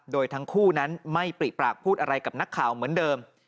โดยทั้งคู่นั้นไม่ปริปากพูดอะไรกับนักข่าวเหมือนเดิม